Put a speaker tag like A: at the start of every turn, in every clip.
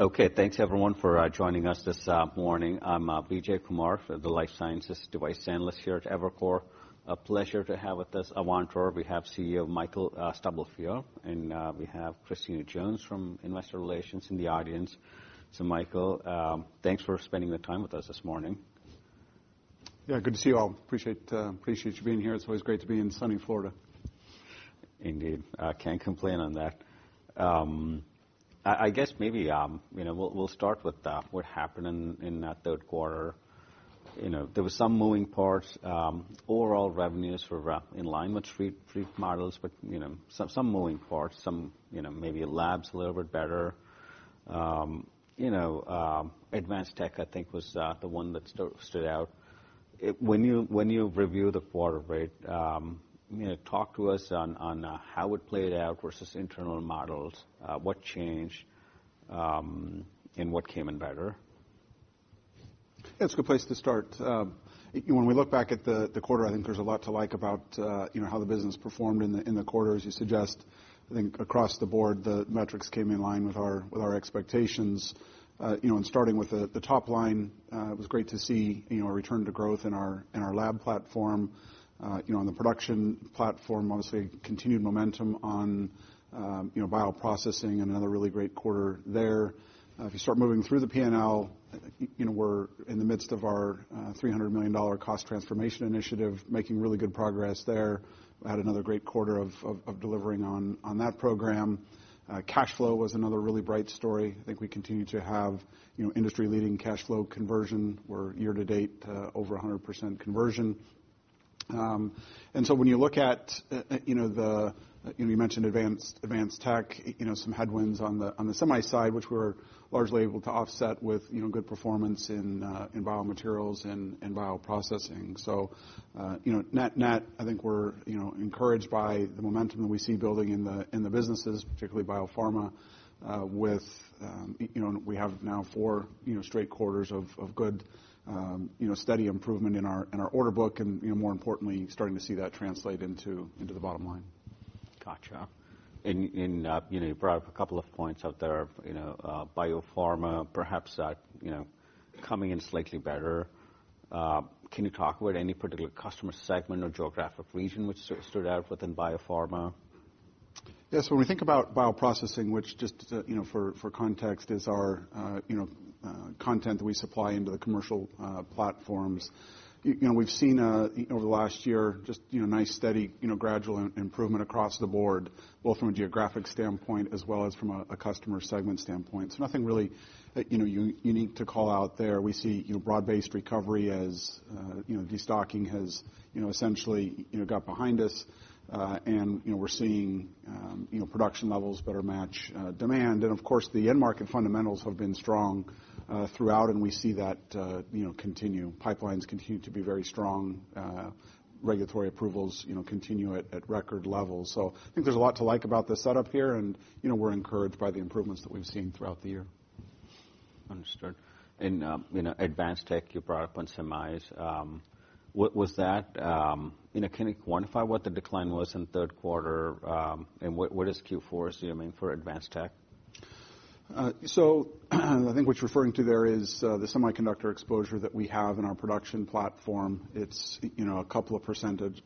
A: Okay, thanks everyone for joining us this morning. I'm Vijay Kumar for the Life Sciences Device Analyst here at Evercore. A pleasure to have with us Avantor. We have CEO Michael Stubblefield, and we have Christina Jones from Investor Relations in the audience. So, Michael, thanks for spending the time with us this morning.
B: Yeah, good to see you all. Appreciate you being here. It's always great to be in sunny Florida.
A: Indeed. Can't complain on that. I guess maybe we'll start with what happened in that third quarter. There were some moving parts. Overall revenues were in line with street models, but some moving parts. Some maybe labs a little bit better. Advanced Tech, I think, was the one that stood out. When you review the quarter, talk to us on how it played out versus internal models. What changed and what came in better?
B: Yeah, that's a good place to start. When we look back at the quarter, I think there's a lot to like about how the business performed in the quarter, as you suggest. I think across the board, the metrics came in line with our expectations. And starting with the top line, it was great to see a return to growth in our lab platform. On the production platform, obviously continued momentum on bioprocessing and another really great quarter there. If you start moving through the P&L, we're in the midst of our $300 million cost transformation initiative, making really good progress there. We had another great quarter of delivering on that program. Cash flow was another really bright story. I think we continue to have industry-leading cash flow conversion. We're year to date over 100% conversion. And so when you look at the, you mentioned Advanced Tech, some headwinds on the semi side, which we were largely able to offset with good performance in biomaterials and bioprocessing. So net, I think we're encouraged by the momentum that we see building in the businesses, particularly biopharma, with we have now four straight quarters of good, steady improvement in our order book, and more importantly, starting to see that translate into the bottom line.
A: Gotcha. And you brought up a couple of points out there. Biopharma perhaps coming in slightly better. Can you talk about any particular customer segment or geographic region which stood out within biopharma?
B: Yeah, so when we think about bioprocessing, which just for context is our content that we supply into the commercial platforms, we've seen over the last year just nice, steady, gradual improvement across the board, both from a geographic standpoint as well as from a customer segment standpoint. So nothing really unique to call out there. We see broad-based recovery as destocking has essentially got behind us, and we're seeing production levels better match demand. And of course, the end market fundamentals have been strong throughout, and we see that continue. Pipelines continue to be very strong. Regulatory approvals continue at record levels. So I think there's a lot to like about the setup here, and we're encouraged by the improvements that we've seen throughout the year.
A: Understood. And Advanced Tech, you brought up on semis. Can you quantify what the decline was in third quarter? And what is Q4 assuming for Advanced Tech?
B: So I think what you're referring to there is the semiconductor exposure that we have in our production platform. It's a couple of percentage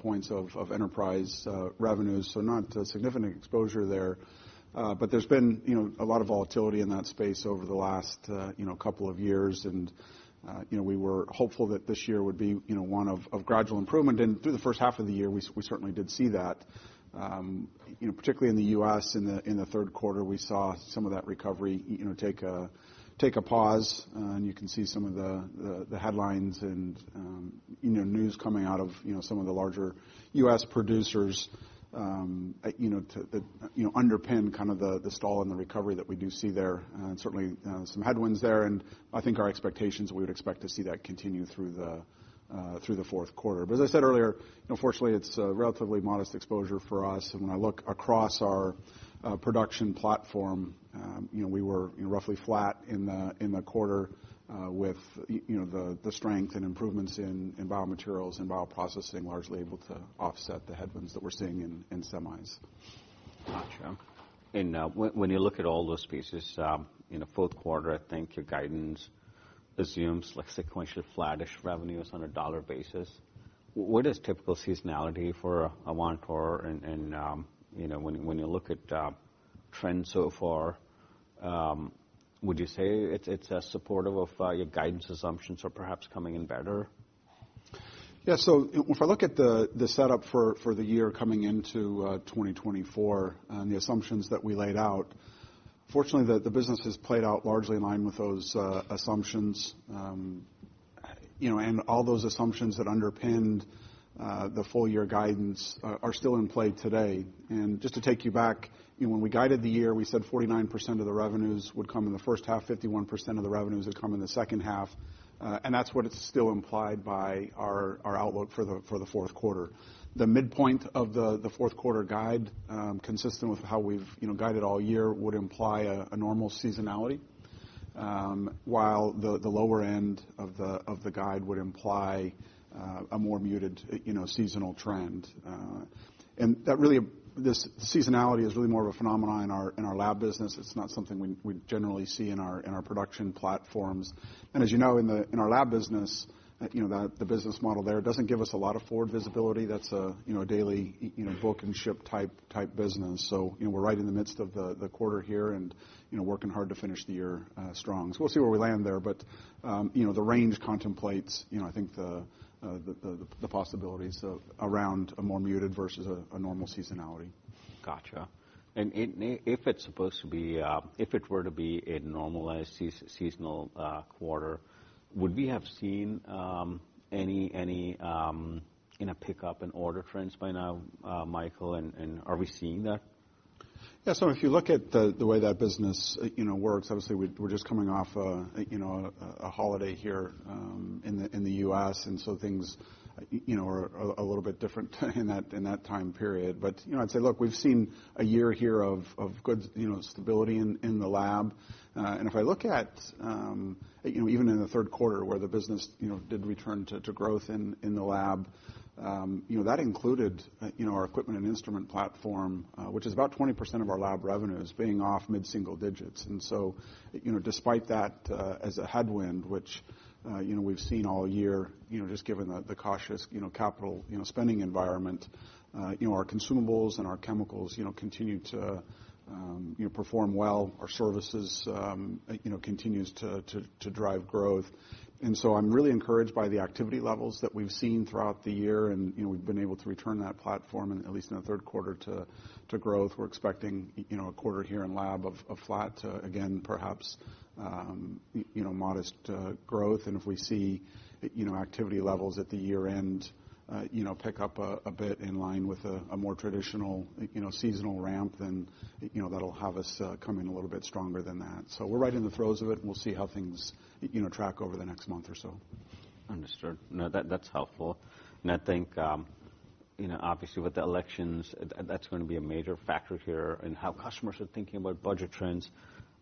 B: points of enterprise revenues, so not a significant exposure there. But there's been a lot of volatility in that space over the last couple of years, and we were hopeful that this year would be one of gradual improvement. And through the first half of the year, we certainly did see that. Particularly in the U.S., in the third quarter, we saw some of that recovery take a pause, and you can see some of the headlines and news coming out of some of the larger U.S. producers to underpin kind of the stall and the recovery that we do see there. And certainly some headwinds there. And I think our expectations, we would expect to see that continue through the fourth quarter. But as I said earlier, fortunately, it's a relatively modest exposure for us. And when I look across our production platform, we were roughly flat in the quarter with the strength and improvements in biomaterials and bioprocessing, largely able to offset the headwinds that we're seeing in semis.
A: Gotcha. And when you look at all those pieces, in the fourth quarter, I think your guidance assumes sequentially flattish revenues on a dollar basis. What is typical seasonality for Avantor? And when you look at trends so far, would you say it's supportive of your guidance assumptions or perhaps coming in better?
B: Yeah, so if I look at the setup for the year coming into 2024 and the assumptions that we laid out, fortunately, the business has played out largely in line with those assumptions. And all those assumptions that underpinned the full year guidance are still in play today. And just to take you back, when we guided the year, we said 49% of the revenues would come in the first half, 51% of the revenues would come in the second half. And that's what it's still implied by our outlook for the fourth quarter. The midpoint of the fourth quarter guide, consistent with how we've guided all year, would imply a normal seasonality, while the lower end of the guide would imply a more muted seasonal trend. And that really, this seasonality is really more of a phenomenon in our lab business. It's not something we generally see in our production platforms, and as you know, in our lab business, the business model there doesn't give us a lot of forward visibility. That's a daily book and ship type business, so we're right in the midst of the quarter here and working hard to finish the year strong, so we'll see where we land there, but the range contemplates, I think, the possibilities around a more muted versus a normal seasonality.
A: Gotcha. And if it's supposed to be, if it were to be a normalized seasonal quarter, would we have seen any pickup in order trends by now, Michael? And are we seeing that?
B: Yeah, so if you look at the way that business works, obviously, we're just coming off a holiday here in the U.S., and so things are a little bit different in that time period. But I'd say, look, we've seen a year here of good stability in the lab. And if I look at even in the third quarter, where the business did return to growth in the lab, that included our equipment and instrument platform, which is about 20% of our lab revenues being off mid-single digits. And so despite that as a headwind, which we've seen all year, just given the cautious capital spending environment, our consumables and our chemicals continue to perform well. Our services continue to drive growth. And so I'm really encouraged by the activity levels that we've seen throughout the year, and we've been able to return that platform, at least in the third quarter, to growth. We're expecting a quarter here in lab of flat to, again, perhaps modest growth. And if we see activity levels at the year end pick up a bit in line with a more traditional seasonal ramp, then that'll have us coming a little bit stronger than that. So we're right in the throes of it, and we'll see how things track over the next month or so.
A: Understood. No, that's helpful. And I think obviously with the elections, that's going to be a major factor here in how customers are thinking about budget trends.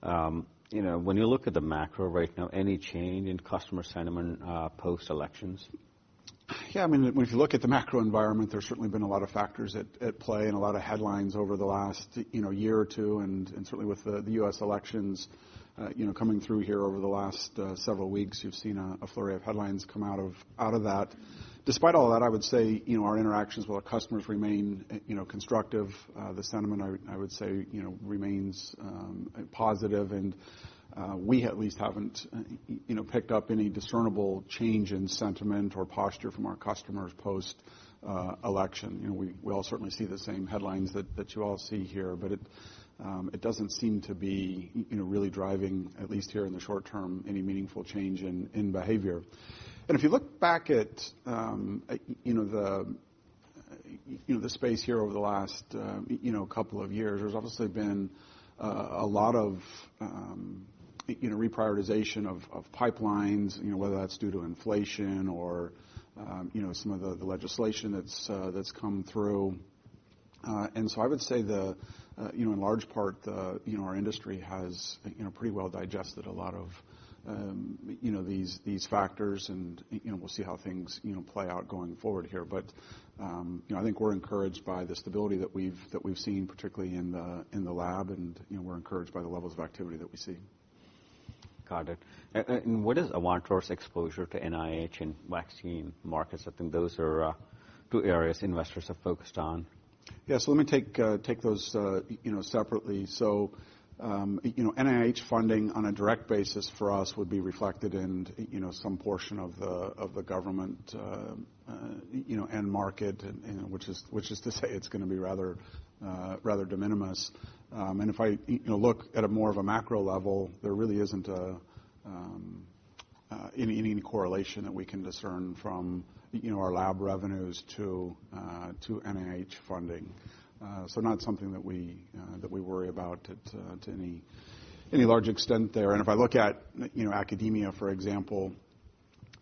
A: When you look at the macro right now, any change in customer sentiment post-elections?
B: Yeah, I mean, when you look at the macro environment, there's certainly been a lot of factors at play and a lot of headlines over the last year or two, and certainly with the U.S. elections coming through here over the last several weeks, you've seen a flurry of headlines come out of that. Despite all that, I would say our interactions with our customers remain constructive. The sentiment, I would say, remains positive, and we at least haven't picked up any discernible change in sentiment or posture from our customers post-election. We all certainly see the same headlines that you all see here, but it doesn't seem to be really driving, at least here in the short term, any meaningful change in behavior. And if you look back at the space here over the last couple of years, there's obviously been a lot of reprioritization of pipelines, whether that's due to inflation or some of the legislation that's come through. And so I would say in large part, our industry has pretty well digested a lot of these factors, and we'll see how things play out going forward here. But I think we're encouraged by the stability that we've seen, particularly in the lab, and we're encouraged by the levels of activity that we see.
A: Got it. And what is Avantor's exposure to NIH and vaccine markets? I think those are two areas investors have focused on.
B: Yeah, so let me take those separately. So NIH funding on a direct basis for us would be reflected in some portion of the government and market, which is to say it's going to be rather de minimis. And if I look at more of a macro level, there really isn't any correlation that we can discern from our lab revenues to NIH funding. So not something that we worry about to any large extent there. And if I look at academia, for example,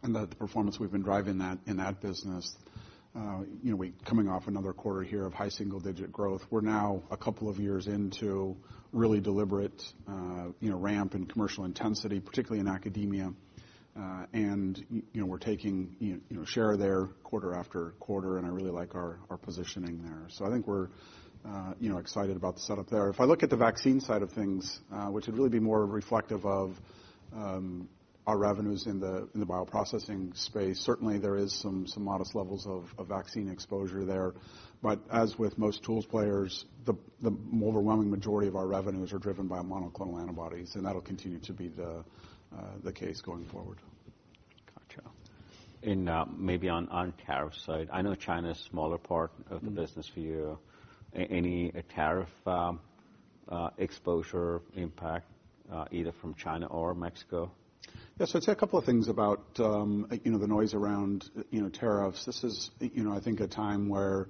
B: and the performance we've been driving in that business, coming off another quarter here of high single-digit growth, we're now a couple of years into really deliberate ramp in commercial intensity, particularly in academia. And we're taking a share there quarter after quarter, and I really like our positioning there. So I think we're excited about the setup there. If I look at the vaccine side of things, which would really be more reflective of our revenues in the bioprocessing space, certainly there are some modest levels of vaccine exposure there. But as with most tools players, the overwhelming majority of our revenues are driven by monoclonal antibodies, and that'll continue to be the case going forward.
A: Gotcha, and maybe on tariff side, I know China is a smaller part of the business for you. Any tariff exposure impact either from China or Mexico?
B: Yeah, so I'd say a couple of things about the noise around tariffs. This is, I think, a time where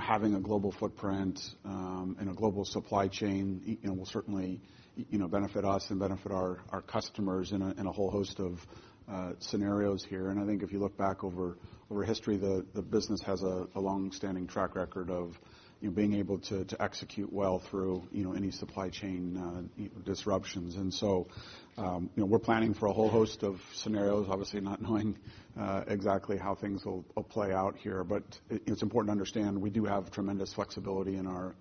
B: having a global footprint and a global supply chain will certainly benefit us and benefit our customers in a whole host of scenarios here. And I think if you look back over history, the business has a long-standing track record of being able to execute well through any supply chain disruptions. And so we're planning for a whole host of scenarios, obviously not knowing exactly how things will play out here. But it's important to understand we do have tremendous flexibility in our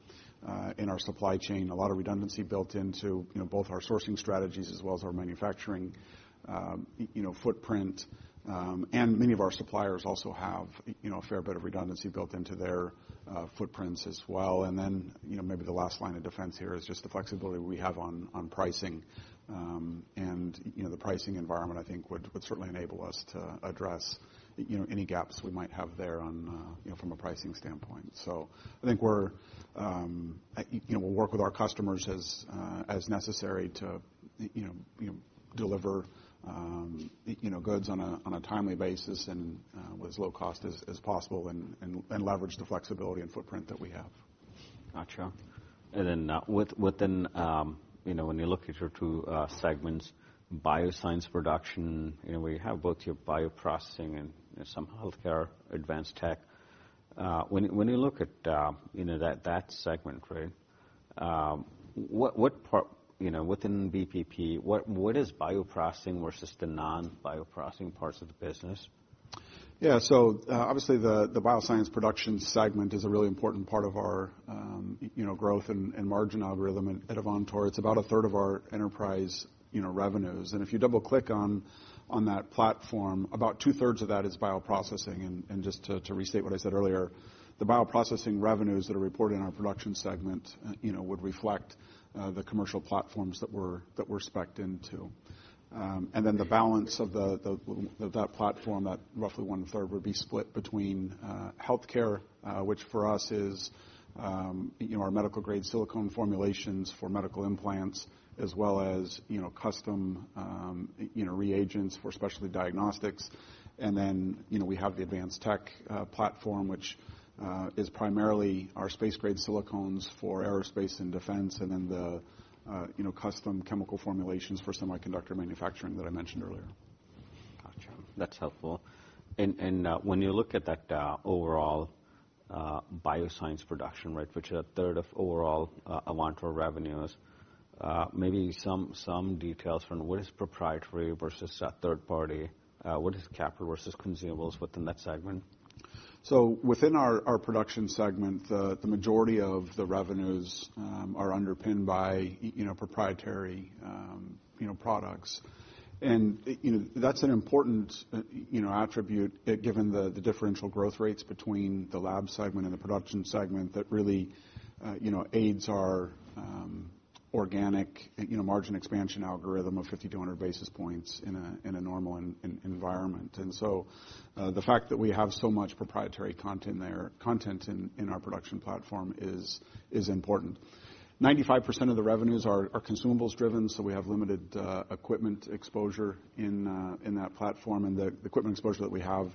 B: supply chain, a lot of redundancy built into both our sourcing strategies as well as our manufacturing footprint. And many of our suppliers also have a fair bit of redundancy built into their footprints as well. And then maybe the last line of defense here is just the flexibility we have on pricing. And the pricing environment, I think, would certainly enable us to address any gaps we might have there from a pricing standpoint. So I think we'll work with our customers as necessary to deliver goods on a timely basis and with as low cost as possible and leverage the flexibility and footprint that we have.
A: Gotcha. And then within when you look at your two segments, bioscience production, where you have both your bioprocessing and some healthcare Advanced Tech, when you look at that segment, right, within BPP, what is bioprocessing versus the non-bioprocessing parts of the business?
B: Yeah, so obviously the bioscience production segment is a really important part of our growth and margin algorithm at Avantor. It's about a third of our enterprise revenues. And if you double-click on that platform, about two-thirds of that is bioprocessing. And just to restate what I said earlier, the bioprocessing revenues that are reported in our production segment would reflect the commercial platforms that we're spec'd into. And then the balance of that platform, that roughly one-third, would be split between healthcare, which for us is our medical-grade silicone formulations for medical implants, as well as custom reagents for specialty diagnostics. And then we have the Advanced Tech platform, which is primarily our space-grade silicones for aerospace and defense, and then the custom chemical formulations for semiconductor manufacturing that I mentioned earlier.
A: Gotcha. That's helpful. And when you look at that overall bioscience production, right, which is a third of overall Avantor revenues, maybe some details from what is proprietary versus third-party, what is capital versus consumables within that segment?
B: So within our production segment, the majority of the revenues are underpinned by proprietary products. And that's an important attribute given the differential growth rates between the lab segment and the production segment that really aids our organic margin expansion algorithm of 50-100 basis points in a normal environment. And so the fact that we have so much proprietary content in our production platform is important. 95% of the revenues are consumables-driven, so we have limited equipment exposure in that platform. And the equipment exposure that we have,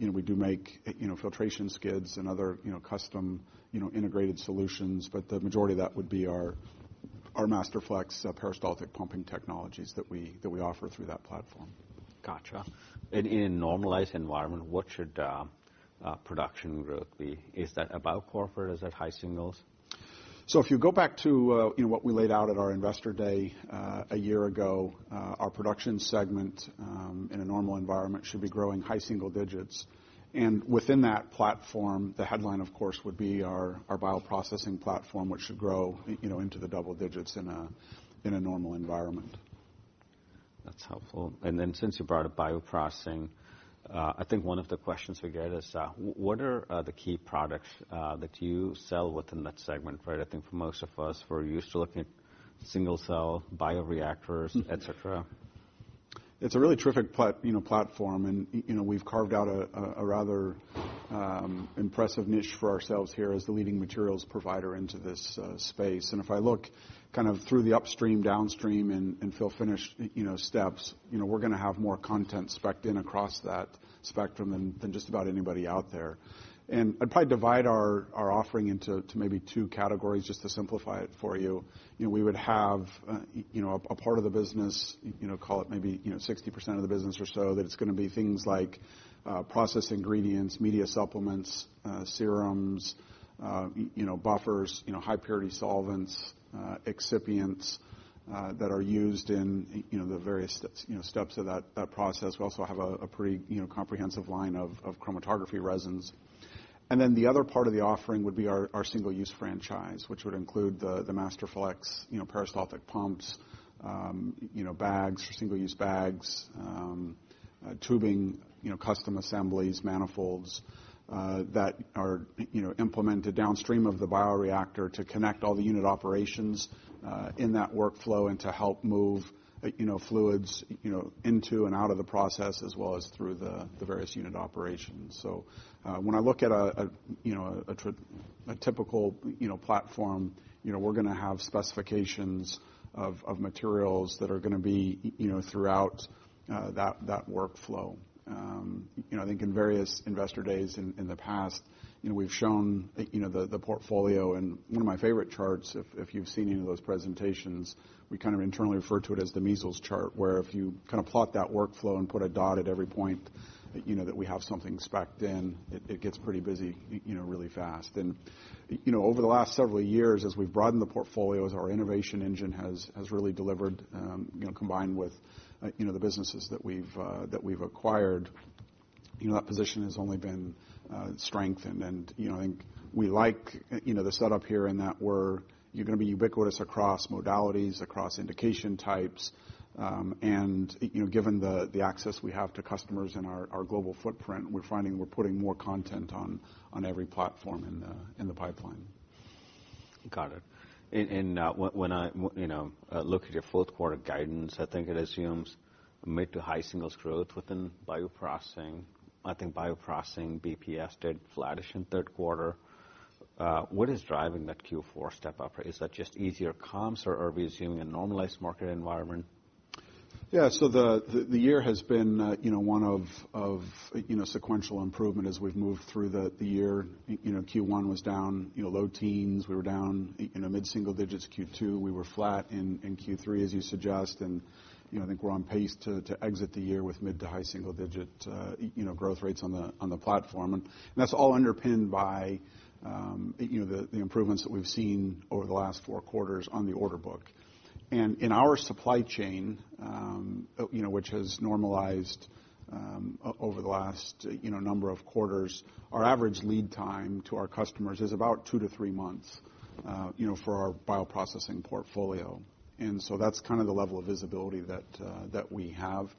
B: we do make filtration skids and other custom integrated solutions, but the majority of that would be our Masterflex peristaltic pumping technologies that we offer through that platform.
A: Gotcha. And in a normalized environment, what should production growth be? Is that above corporate? Is that high singles?
B: So if you go back to what we laid out at our investor day a year ago, our production segment in a normal environment should be growing high single digits. And within that platform, the headline, of course, would be our bioprocessing platform, which should grow into the double digits in a normal environment.
A: That's helpful, and then since you brought up bioprocessing, I think one of the questions we get is, what are the key products that you sell within that segment, right? I think for most of us, we're used to looking at single-cell bioreactors, etc.
B: It's a really terrific platform, and we've carved out a rather impressive niche for ourselves here as the leading materials provider into this space. And if I look kind of through the upstream, downstream, and fill-finish steps, we're going to have more content specked in across that spectrum than just about anybody out there. And I'd probably divide our offering into maybe two categories just to simplify it for you. We would have a part of the business, call it maybe 60% of the business or so, that it's going to be things like process ingredients, media supplements, serums, buffers, high-purity solvents, excipients that are used in the various steps of that process. We also have a pretty comprehensive line of chromatography resins. And then the other part of the offering would be our single-use franchise, which would include the Masterflex peristaltic pumps, single-use bags, tubing, custom assemblies, manifolds that are implemented downstream of the bioreactor to connect all the unit operations in that workflow and to help move fluids into and out of the process as well as through the various unit operations. So when I look at a typical platform, we're going to have specifications of materials that are going to be throughout that workflow. I think in various investor days in the past, we've shown the portfolio. And one of my favorite charts, if you've seen any of those presentations, we kind of internally refer to it as the Measles Chart, where if you kind of plot that workflow and put a dot at every point that we have something specked in, it gets pretty busy really fast. Over the last several years, as we've broadened the portfolios, our innovation engine has really delivered, combined with the businesses that we've acquired. That position has only been strengthened. I think we like the setup here in that we're going to be ubiquitous across modalities, across indication types. Given the access we have to customers and our global footprint, we're finding we're putting more content on every platform in the pipeline.
A: Got it. And when I look at your fourth quarter guidance, I think it assumes mid to high singles growth within bioprocessing. I think bioprocessing BPS did flourish in third quarter. What is driving that Q4 step-up? Is that just easier comps, or are we assuming a normalized market environment?
B: Yeah, so the year has been one of sequential improvement as we've moved through the year. Q1 was down low teens were down in a mid-single digits Q2 we were flat in Q3, as you suggest. And I think we're on pace to exit the year with mid-to-high single-digit growth rates on the platform. And that's all underpinned by the improvements that we've seen over the last four quarters on the order book. And in our supply chain, which has normalized over the last number of quarters, our average lead time to our customers is about two to three months for our bioprocessing portfolio. And so that's kind of the level of visibility that we have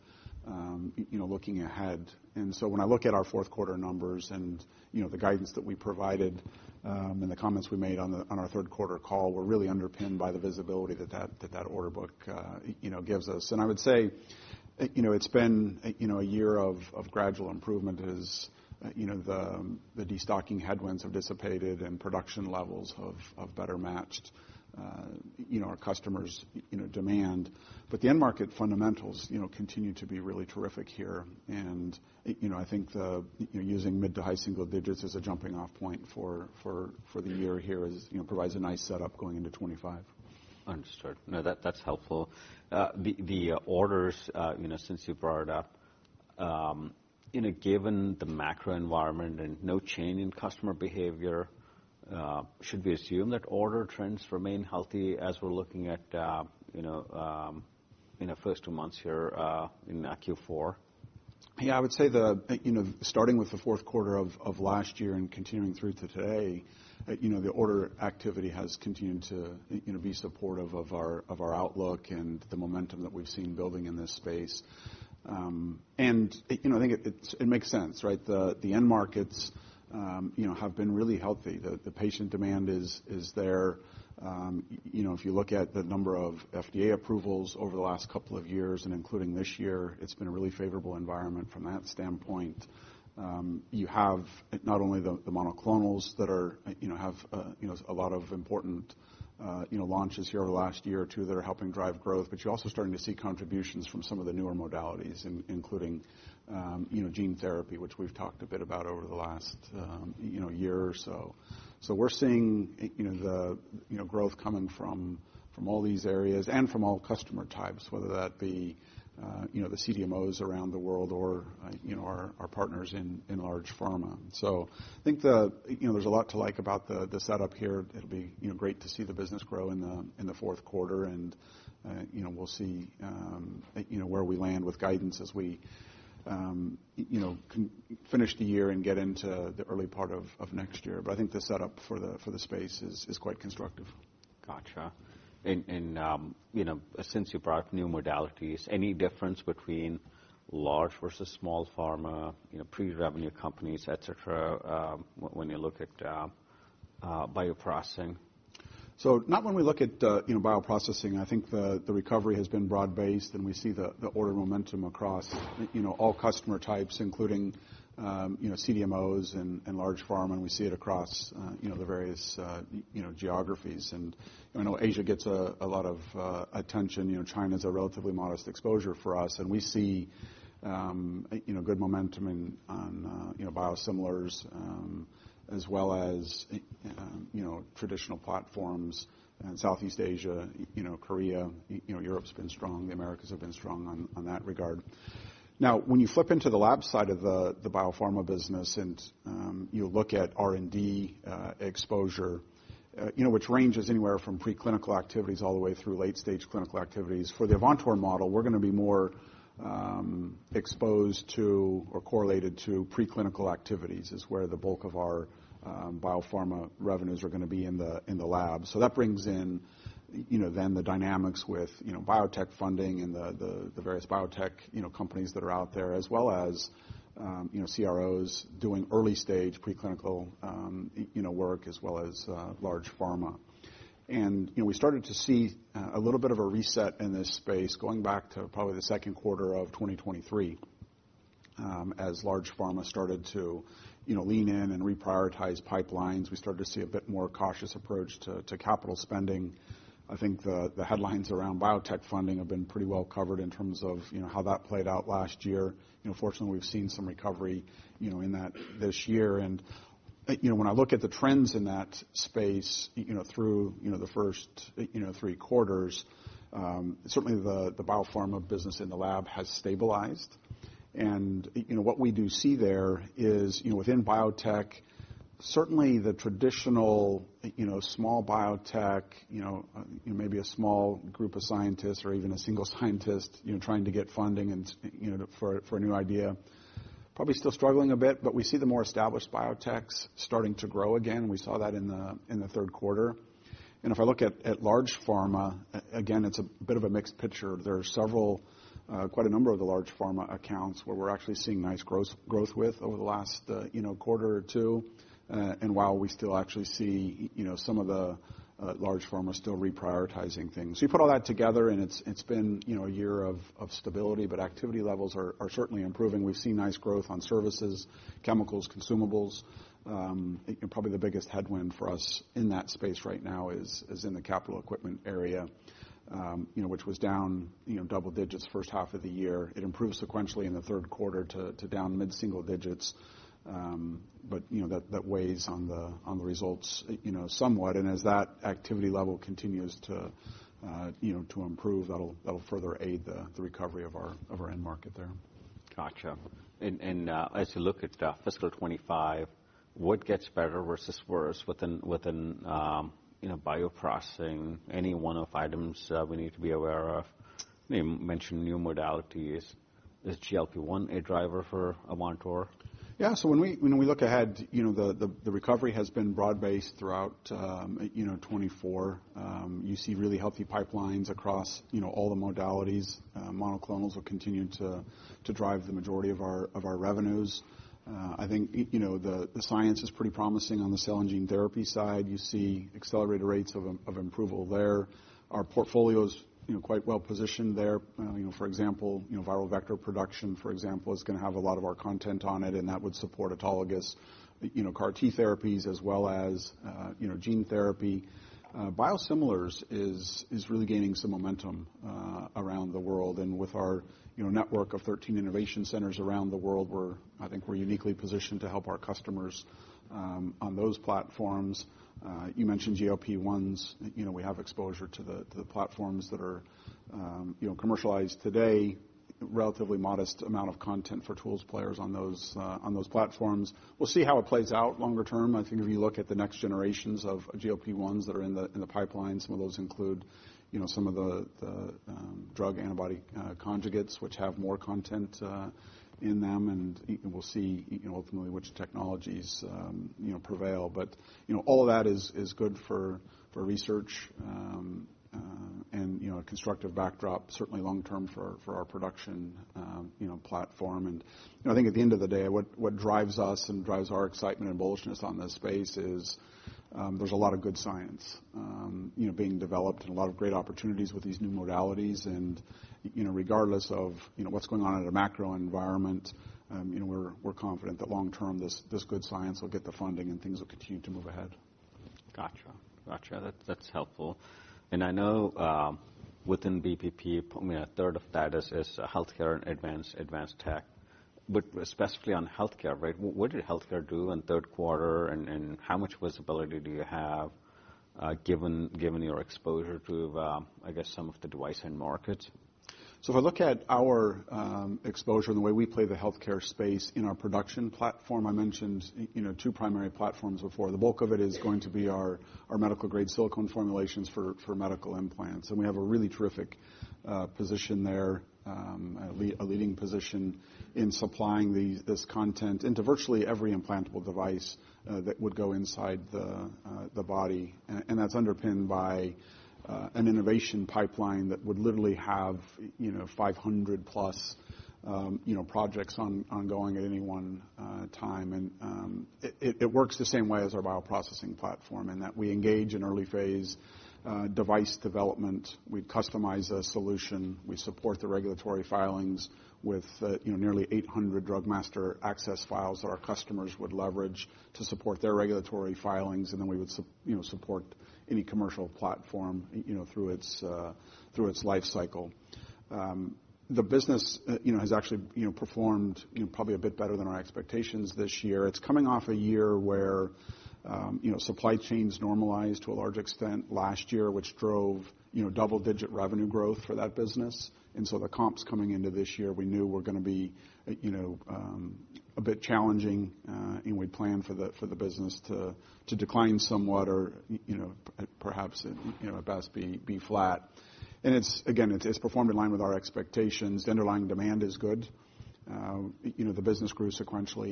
B: looking ahead. When I look at our fourth quarter numbers and the guidance that we provided and the comments we made on our third quarter call, we're really underpinned by the visibility that that order book gives us. I would say it's been a year of gradual improvement as the destocking headwinds have dissipated and production levels have better matched our customers' demand. The end market fundamentals continue to be really terrific here. I think using mid to high single digits as a jumping-off point for the year here provides a nice setup going into 2025.
A: Understood. No, that's helpful. The orders, since you brought it up, given the macro environment and no change in customer behavior, should we assume that order trends remain healthy as we're looking at the first two months here in Q4?
B: Yeah, I would say starting with the fourth quarter of last year and continuing through today, the order activity has continued to be supportive of our outlook and the momentum that we've seen building in this space. And I think it makes sense, right? The end markets have been really healthy. The patient demand is there. If you look at the number of FDA approvals over the last couple of years, and including this year, it's been a really favorable environment from that standpoint. You have not only the monoclonals that have a lot of important launches here over the last year or two that are helping drive growth, but you're also starting to see contributions from some of the newer modalities, including gene therapy, which we've talked a bit about over the last year or so. So we're seeing the growth coming from all these areas and from all customer types, whether that be the CDMOs around the world or our partners in large pharma. So I think there's a lot to like about the setup here. It'll be great to see the business grow in the fourth quarter, and we'll see where we land with guidance as we finish the year and get into the early part of next year. But I think the setup for the space is quite constructive.
A: Gotcha. And since you brought new modalities, any difference between large versus small pharma, pre-revenue companies, etc., when you look at bioprocessing?
B: So, when we look at bioprocessing. I think the recovery has been broad-based, and we see the order momentum across all customer types, including CDMOs and large pharma. And we see it across the various geographies. And I know Asia gets a lot of attention. China is a relatively modest exposure for us, and we see good momentum in biosimilars as well as traditional platforms. And Southeast Asia, Korea, Europe's been strong. The Americas have been strong in that regard. Now, when you flip into the lab side of the biopharma business and you look at R&D exposure, which ranges anywhere from preclinical activities all the way through late-stage clinical activities, for the Avantor model, we're going to be more exposed to or correlated to preclinical activities, which is where the bulk of our biopharma revenues are going to be in the lab. That brings in then the dynamics with biotech funding and the various biotech companies that are out there, as well as CROs doing early-stage preclinical work, as well as large pharma. We started to see a little bit of a reset in this space going back to probably the second quarter of 2023 as large pharma started to lean in and reprioritize pipelines. We started to see a bit more cautious approach to capital spending. I think the headlines around biotech funding have been pretty well covered in terms of how that played out last year. Fortunately, we've seen some recovery in that this year. When I look at the trends in that space through the first three quarters, certainly the biopharma business in the lab has stabilized. What we do see there is within biotech, certainly the traditional small biotech, maybe a small group of scientists or even a single scientist trying to get funding for a new idea, probably still struggling a bit, but we see the more established biotech's starting to grow again. We saw that in the third quarter. If I look at large pharma, again, it's a bit of a mixed picture. There are quite a number of the large pharma accounts where we're actually seeing nice growth with over the last quarter or two. While we still actually see some of the large pharma still reprioritizing things. You put all that together, and it's been a year of stability, but activity levels are certainly improving. We've seen nice growth on services, chemicals, consumables. Probably the biggest headwind for us in that space right now is in the capital equipment area, which was down double digits first half of the year. It improved sequentially in the third quarter to down mid-single digits. But that weighs on the results somewhat. And as that activity level continues to improve, that'll further aid the recovery of our end market there.
A: Gotcha. And as you look at fiscal 2025, what gets better versus worse within bioprocessing? Any one of the items we need to be aware of? You mentioned new modalities. Is GLP-1 a driver for Avantor?
B: Yeah. So when we look ahead, the recovery has been broad-based throughout 2024. You see really healthy pipelines across all the modalities. Monoclonals will continue to drive the majority of our revenues. I think the science is pretty promising on the cell and gene therapy side. You see accelerated rates of improvement there. Our portfolio is quite well positioned there. For example, viral vector production, for example, is going to have a lot of our content on it, and that would support autologous CAR-T therapies as well as gene therapy. Biosimilars is really gaining some momentum around the world. And with our network of 13 innovation centers around the world, I think we're uniquely positioned to help our customers on those platforms. You mentioned GLP-1s. We have exposure to the platforms that are commercialized today, relatively modest amount of content for tools players on those platforms. We'll see how it plays out longer term. I think if you look at the next generations of GLP-1s that are in the pipeline, some of those include some of the drug antibody conjugates, which have more content in them. And we'll see ultimately which technologies prevail. But all of that is good for research and a constructive backdrop, certainly long-term for our production platform. And I think at the end of the day, what drives us and drives our excitement and bullishness on this space is there's a lot of good science being developed and a lot of great opportunities with these new modalities. And regardless of what's going on in the macro environment, we're confident that long-term this good science will get the funding and things will continue to move ahead.
A: Gotcha. Gotcha. That's helpful. And I know within BPP, I mean, a third of that is healthcare and Advanced Tech. But specifically on healthcare, right, what did healthcare do in third quarter? And how much visibility do you have given your exposure to, I guess, some of the device end markets?
B: So if I look at our exposure and the way we play the healthcare space in our production platform, I mentioned two primary platforms before. The bulk of it is going to be our medical-grade silicone formulations for medical implants. And we have a really terrific position there, a leading position in supplying this content into virtually every implantable device that would go inside the body. And that's underpinned by an innovation pipeline that would literally have 500-plus projects ongoing at any one time. And it works the same way as our bioprocessing platform in that we engage in early-phase device development. We customize a solution. We support the regulatory filings with nearly 800 Drug Master Files that our customers would leverage to support their regulatory filings. And then we would support any commercial platform through its lifecycle. The business has actually performed probably a bit better than our expectations this year. It's coming off a year where supply chains normalized to a large extent last year, which drove double-digit revenue growth for that business, and so the comps coming into this year, we knew were going to be a bit challenging, and we planned for the business to decline somewhat or perhaps at best be flat, and again, it's performed in line with our expectations. The underlying demand is good. The business grew sequentially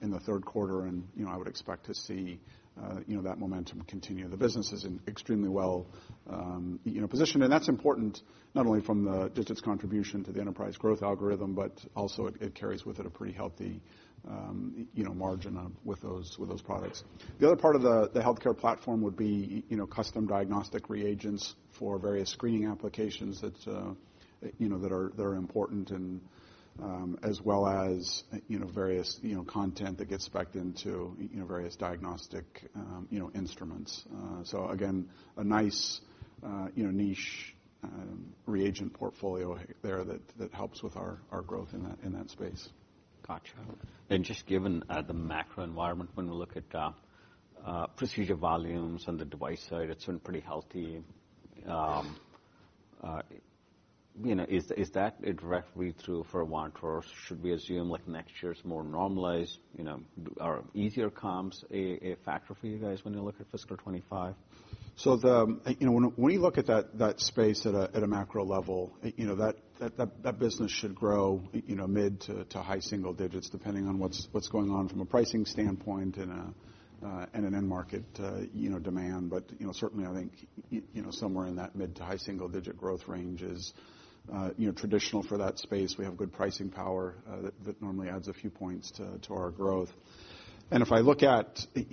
B: in the third quarter, and I would expect to see that momentum continue. The business is extremely well positioned, and that's important not only from the digits contribution to the enterprise growth algorithm, but also it carries with it a pretty healthy margin with those products. The other part of the healthcare platform would be custom diagnostic reagents for various screening applications that are important, as well as various content that gets specced into various diagnostic instruments, so again, a nice niche reagent portfolio there that helps with our growth in that space.
A: Gotcha. And just given the macro environment, when we look at procedure volumes on the device side, it's been pretty healthy. Is that a direct read-through for Avantor? Should we assume next year's more normalized or easier comps a factor for you guys when you look at fiscal 2025?
B: So when you look at that space at a macro level, that business should grow mid to high single digits, depending on what's going on from a pricing standpoint and an end market demand. But certainly, I think somewhere in that mid to high single digit growth range is traditional for that space. We have good pricing power that normally adds a few points to our growth. And if I look at the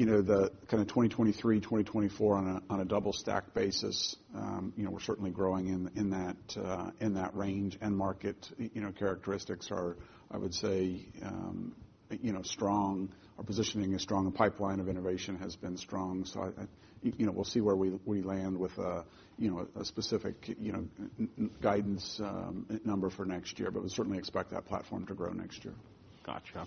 B: kind of 2023, 2024 on a double-stack basis, we're certainly growing in that range. End market characteristics are, I would say, strong. Our positioning is strong. The pipeline of innovation has been strong. So we'll see where we land with a specific guidance number for next year, but we certainly expect that platform to grow next year.
A: Gotcha.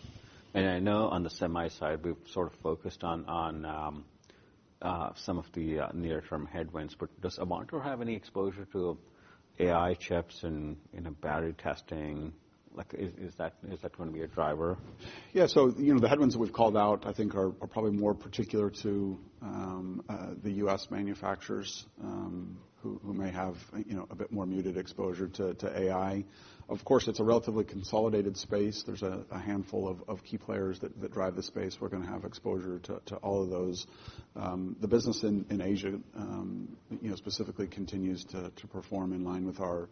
A: And I know on the semi side, we've sort of focused on some of the near-term headwinds. But does Avantor have any exposure to AI chips in battery testing? Is that going to be a driver?
B: Yeah. So the headwinds that we've called out, I think, are probably more particular to the U.S. manufacturers who may have a bit more muted exposure to AI. Of course, it's a relatively consolidated space. There's a handful of key players that drive the space. We're going to have exposure to all of those. The business in Asia specifically continues to perform in line with our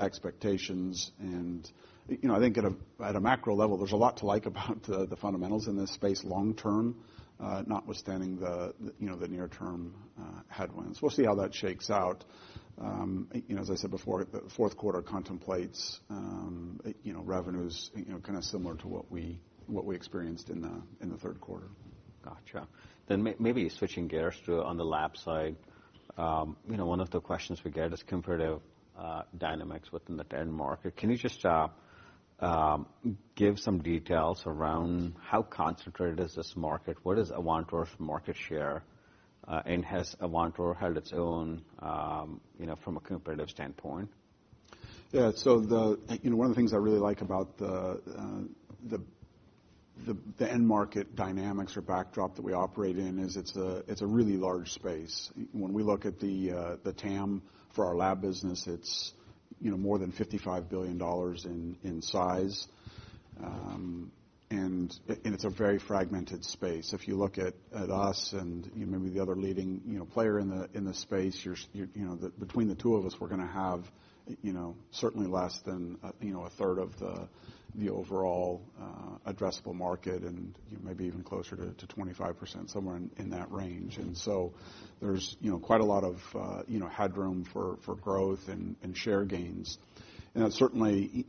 B: expectations. And I think at a macro level, there's a lot to like about the fundamentals in this space long-term, notwithstanding the near-term headwinds. We'll see how that shakes out. As I said before, the fourth quarter contemplates revenues kind of similar to what we experienced in the third quarter.
A: Gotcha. Then, maybe switching gears to on the lab side, one of the questions we get is comparative dynamics within the end market. Can you just give some details around how concentrated is this market? What is Avantor's market share? And has Avantor held its own from a competitive standpoint?
B: Yeah. So one of the things I really like about the end market dynamics or backdrop that we operate in is it's a really large space. When we look at the TAM for our lab business, it's more than $55 billion in size. And it's a very fragmented space. If you look at us and maybe the other leading player in the space, between the two of us, we're going to have certainly less than a third of the overall addressable market and maybe even closer to 25%, somewhere in that range. And so there's quite a lot of headroom for growth and share gains. And that's certainly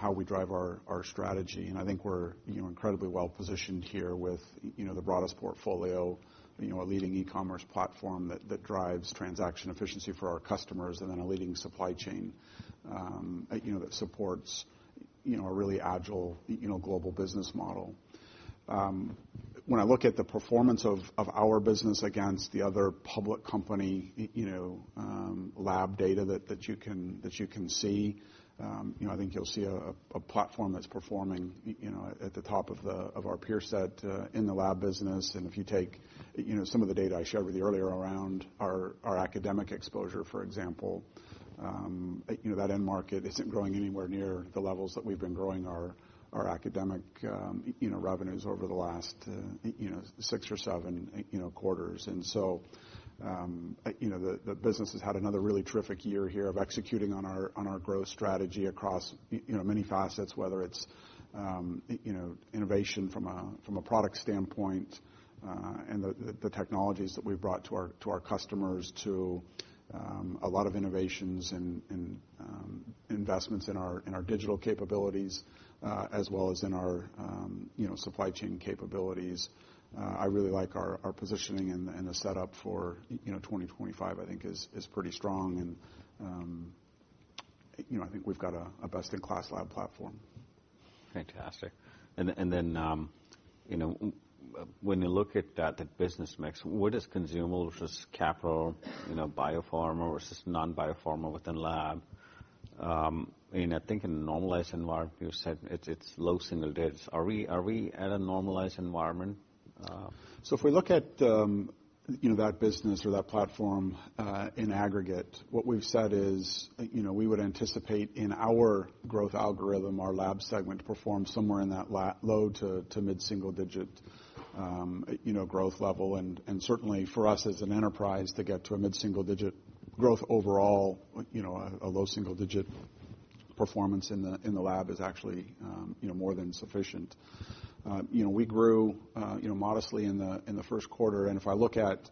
B: how we drive our strategy. And I think we're incredibly well positioned here with the broadest portfolio, a leading e-commerce platform that drives transaction efficiency for our customers, and then a leading supply chain that supports a really agile global business model. When I look at the performance of our business against the other public company lab data that you can see, I think you'll see a platform that's performing at the top of our peer set in the lab business. And if you take some of the data I showed you earlier around our academic exposure, for example, that end market isn't growing anywhere near the levels that we've been growing our academic revenues over the last six or seven quarters. And so the business has had another really terrific year here of executing on our growth strategy across many facets, whether it's innovation from a product standpoint and the technologies that we've brought to our customers, to a lot of innovations and investments in our digital capabilities, as well as in our supply chain capabilities. I really like our positioning and the setup for 2025, I think, is pretty strong. I think we've got a best-in-class lab platform.
A: Fantastic. And then when you look at that business mix, what is consumables versus capital, biopharma versus non-biopharma within lab? And I think in a normalized environment, you said it's low single digits. Are we at a normalized environment?
B: If we look at that business or that platform in aggregate, what we've said is we would anticipate in our growth algorithm, our lab segment to perform somewhere in that low- to mid-single-digit growth level. Certainly for us as an enterprise to get to a mid-single-digit growth overall, a low-single-digit performance in the lab is actually more than sufficient. We grew modestly in the first quarter. If I look at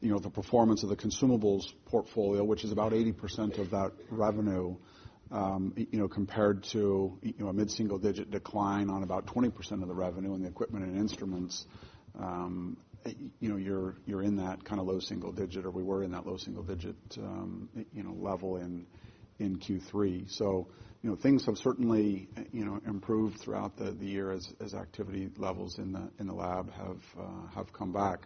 B: the performance of the consumables portfolio, which is about 80% of that revenue compared to a mid-single-digit decline on about 20% of the revenue in the equipment and instruments, you're in that kind of low-single-digit or we were in that low-single-digit level in Q3. Things have certainly improved throughout the year as activity levels in the lab have come back.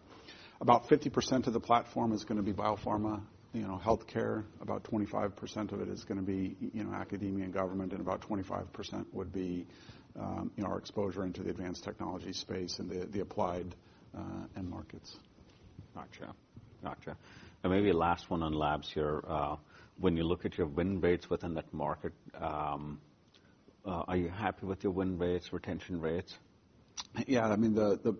B: About 50% of the platform is going to be biopharma, healthcare. About 25% of it is going to be academia and government, and about 25% would be our exposure into the advanced technology space and the applied end markets.
A: Gotcha. Gotcha. And maybe last one on labs here. When you look at your win rates within that market, are you happy with your win rates, retention rates?
B: Yeah. I mean, the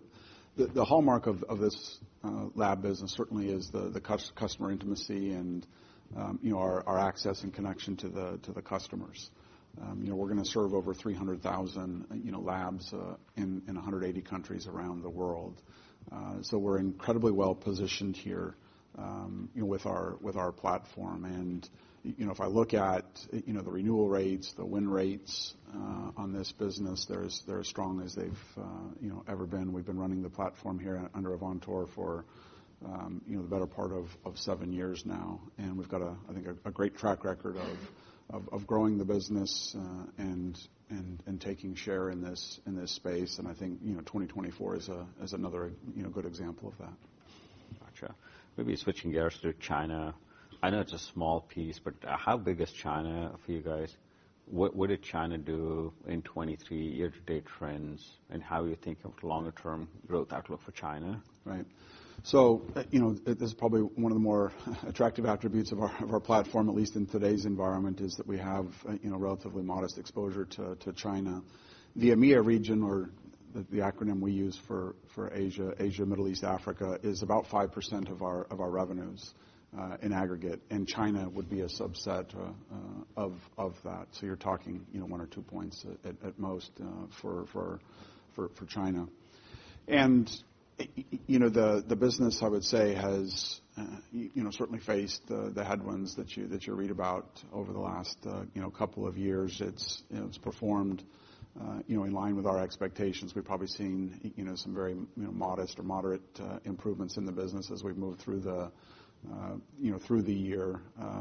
B: hallmark of this lab business certainly is the customer intimacy and our access and connection to the customers. We're going to serve over 300,000 labs in 180 countries around the world. So we're incredibly well positioned here with our platform. And if I look at the renewal rates, the win rates on this business, they're as strong as they've ever been. We've been running the platform here under Avantor for the better part of seven years now. And we've got, I think, a great track record of growing the business and taking share in this space. And I think 2024 is another good example of that.
A: Gotcha. Maybe switching gears to China. I know it's a small piece, but how big is China for you guys? What did China do in 2023, year-to-date trends, and how are you thinking of the longer-term growth outlook for China?
B: Right, so this is probably one of the more attractive attributes of our platform, at least in today's environment, is that we have relatively modest exposure to China. The AMEA region, or the acronym we use for Asia, Middle East, Africa, is about 5% of our revenues in aggregate. And China would be a subset of that. So you're talking one or two points at most for China. And the business, I would say, has certainly faced the headwinds that you read about over the last couple of years. It's performed in line with our expectations. We've probably seen some very modest or moderate improvements in the business as we've moved through the year.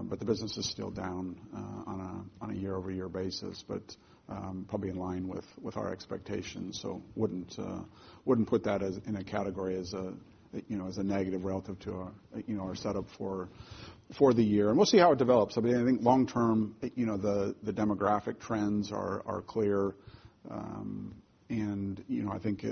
B: But the business is still down on a year-over-year basis, but probably in line with our expectations. So I wouldn't put that in a category as a negative relative to our setup for the year. We'll see how it develops. I mean, I think long-term, the demographic trends are clear. I think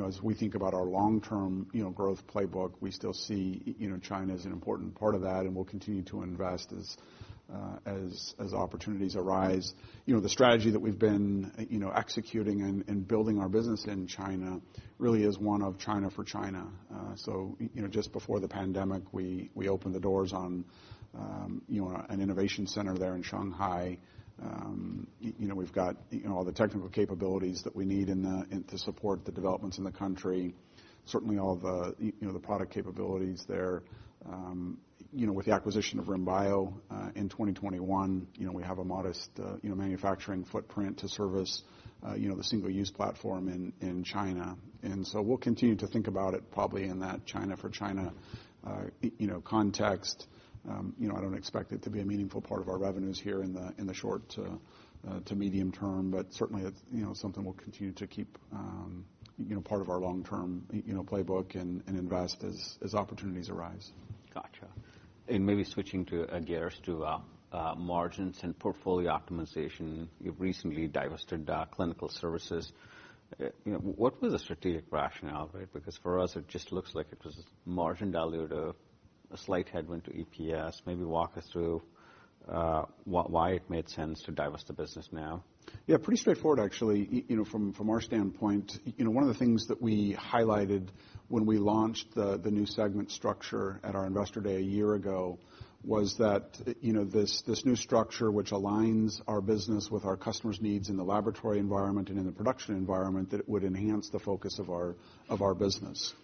B: as we think about our long-term growth playbook, we still see China as an important part of that, and we'll continue to invest as opportunities arise. The strategy that we've been executing and building our business in China really is one of China for China. Just before the pandemic, we opened the doors on an innovation center there in Shanghai. We've got all the technical capabilities that we need to support the developments in the country, certainly all the product capabilities there. With the acquisition of RIM Bio in 2021, we have a modest manufacturing footprint to service the single-use platform in China. We'll continue to think about it probably in that China for China context. I don't expect it to be a meaningful part of our revenues here in the short to medium term, but certainly it's something we'll continue to keep part of our long-term playbook and invest as opportunities arise.
A: Gotcha. And maybe switching gears to margins and portfolio optimization. You've recently divested clinical services. What was the strategic rationale of it? Because for us, it just looks like it was margin diluted, a slight headwind to EPS. Maybe walk us through why it made sense to divest the business now.
B: Yeah, pretty straightforward, actually. From our standpoint, one of the things that we highlighted when we launched the new segment structure at our investor day a year ago was that this new structure, which aligns our business with our customers' needs in the laboratory environment and in the production environment, that it would enhance the focus of our business.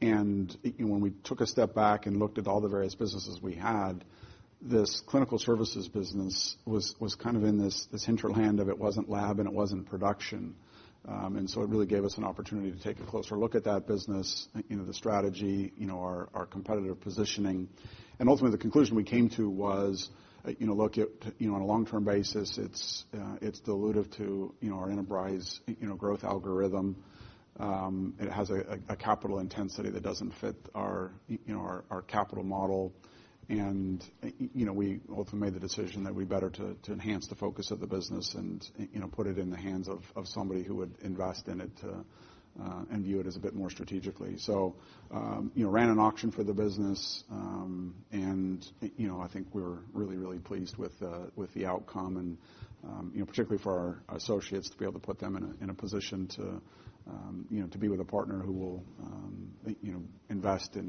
B: And when we took a step back and looked at all the various businesses we had, this clinical services business was kind of in this hinterland of it wasn't lab and it wasn't production. And so it really gave us an opportunity to take a closer look at that business, the strategy, our competitive positioning. And ultimately, the conclusion we came to was, look, on a long-term basis, it's dilutive to our enterprise growth algorithm. It has a capital intensity that doesn't fit our capital model. And we ultimately made the decision that it'd be better to enhance the focus of the business and put it in the hands of somebody who would invest in it and view it as a bit more strategically. So ran an auction for the business, and I think we were really, really pleased with the outcome, and particularly for our associates to be able to put them in a position to be with a partner who will invest to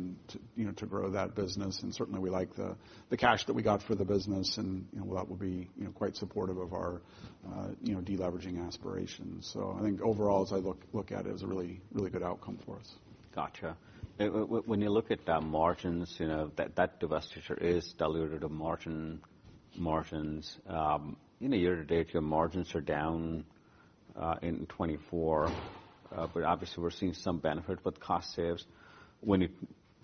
B: grow that business. And certainly, we like the cash that we got for the business, and that will be quite supportive of our deleveraging aspirations. So I think overall, as I look at it, it's a really good outcome for us.
A: Gotcha. When you look at margins, that divestiture is diluted of margins. In a year-to-date, your margins are down in 2024. But obviously, we're seeing some benefit with cost saves. When you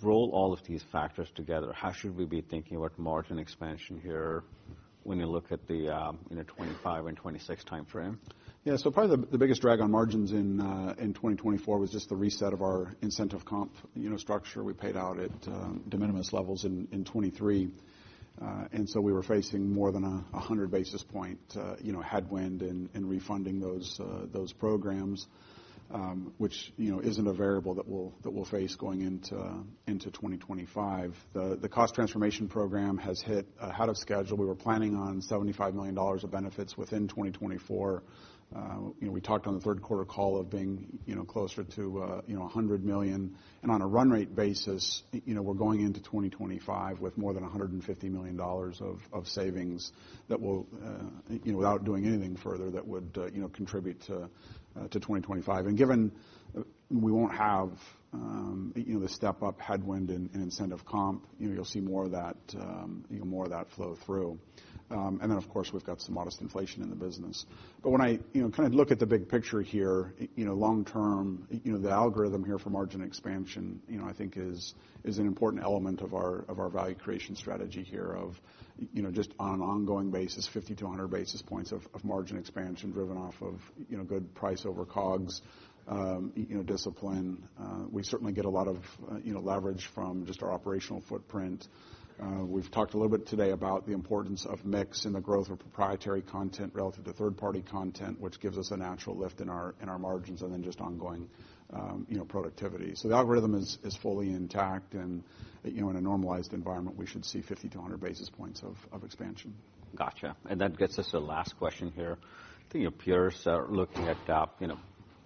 A: roll all of these factors together, how should we be thinking about margin expansion here when you look at the 2025 and 2026 timeframe?
B: Yeah. So probably the biggest drag on margins in 2024 was just the reset of our incentive comp structure. We paid out at de minimis levels in 2023. And so we were facing more than a hundred basis point headwind in refunding those programs, which isn't a variable that we'll face going into 2025. The cost transformation program has hit ahead of schedule. We were planning on $75 million of benefits within 2024. We talked on the third quarter call of being closer to $100 million. And on a run rate basis, we're going into 2025 with more than $150 million of savings that will, without doing anything further, contribute to 2025. And given we won't have the step-up headwind in incentive comp, you'll see more of that flow through. And then, of course, we've got some modest inflation in the business. But when I kind of look at the big picture here, long-term, the algorithm here for margin expansion, I think, is an important element of our value creation strategy here of just on an ongoing basis, 50-100 basis points of margin expansion driven off of good price over COGS discipline. We certainly get a lot of leverage from just our operational footprint. We've talked a little bit today about the importance of mix and the growth of proprietary content relative to third-party content, which gives us a natural lift in our margins and then just ongoing productivity. So the algorithm is fully intact. And in a normalized environment, we should see 50-100 basis points of expansion.
A: Gotcha. And that gets us to the last question here. I think your peers are looking at,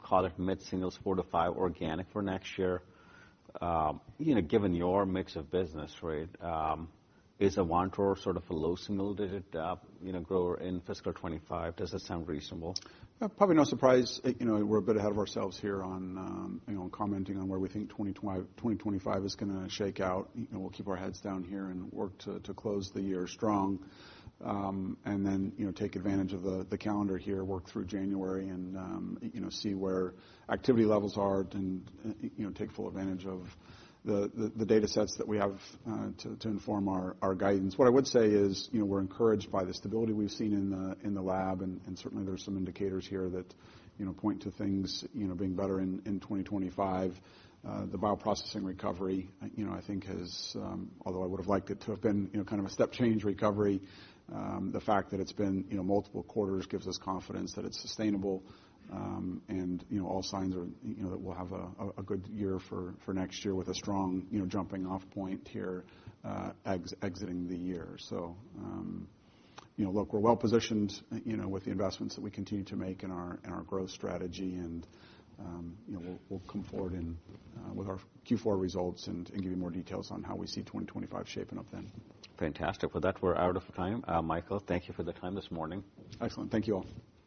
A: call it mid-singles 4 to 5 organic for next year. Given your mix of business, right, is Avantor sort of a low single-digit grower in fiscal 2025? Does that sound reasonable?
B: Probably no surprise. We're a bit ahead of ourselves here on commenting on where we think 2025 is going to shake out. We'll keep our heads down here and work to close the year strong and then take advantage of the calendar here, work through January, and see where activity levels are and take full advantage of the data sets that we have to inform our guidance. What I would say is we're encouraged by the stability we've seen in the lab and certainly, there are some indicators here that point to things being better in 2025. The bioprocessing recovery, I think, has, although I would have liked it to have been kind of a step-change recovery, the fact that it's been multiple quarters gives us confidence that it's sustainable. All signs are that we'll have a good year for next year with a strong jumping-off point here, exiting the year. Look, we're well positioned with the investments that we continue to make in our growth strategy. We'll come forward with our Q4 results and give you more details on how we see 2025 shaping up then.
A: Fantastic. With that, we're out of time. Michael, thank you for the time this morning.
B: Excellent. Thank you all.